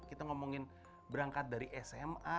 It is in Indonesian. kita ngomongin berangkat dari sma